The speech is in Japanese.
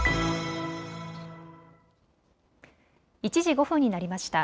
１時５分になりました。